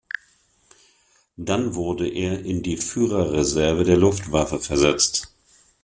Dann wurde er in die Führerreserve der Luftwaffe versetzt.